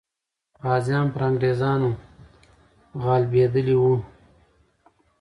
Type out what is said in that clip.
غازیان پر انګریزانو غالبېدلې وو.